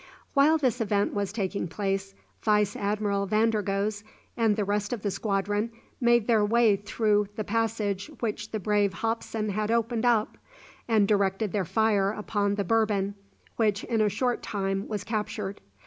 While this event was taking place, Vice Admiral Vandergoes and the rest of the squadron made their way through the passage which the brave Hopson had opened up, and directed their fire upon the "Bourbon," which in a short time was captured.